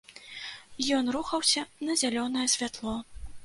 Ён рухаўся на зялёнае святло.